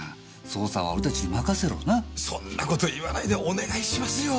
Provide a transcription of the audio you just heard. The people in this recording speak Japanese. そんな事言わないでお願いしますよ。